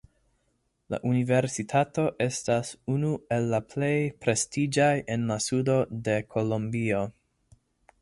La universitato estas unu el la plej prestiĝaj en la sudo de kolombio.